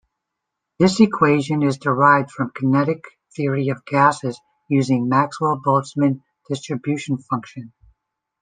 This equation is derived from kinetic theory of gases using Maxwell-Boltzmann distribution function.